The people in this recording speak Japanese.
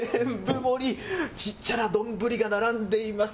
ちっちゃな丼が並んでいます。